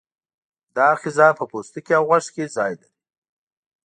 دا آخذه په پوستکي او غوږ کې ځای لري.